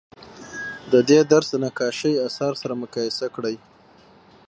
د دې درس د نقاشۍ اثار سره مقایسه کړئ.